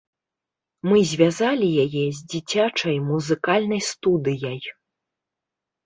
Мы звязалі яе з дзіцячай музыкальнай студыяй.